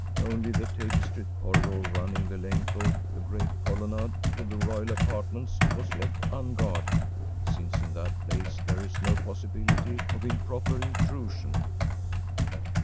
Only the tapestried corridor running the length of the great colonnade to the royal apartments was left unguarded, since in that place there is no possibility of improper intrusion.